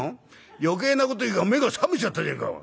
「余計なこと言うから目が覚めちゃったじゃねえかよ」。